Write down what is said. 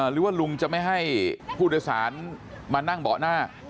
หรือว่าลุงจะไม่ให้ผู้โดยสารมานั่งเบาะหน้า